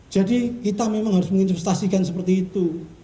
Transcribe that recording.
kita memang harus menginvestasikan seperti itu